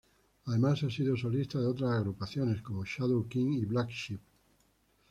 Además, ha sido solista de otras agrupaciones como Shadow King y Black Sheep.